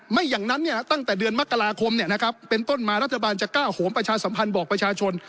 ไม่อย่างนั้นตั้งแต่เดือนมกราคมเป็นต้นมารัฐบาลจะกล้าโหมประชาสัมพันธ์บอกประชาชน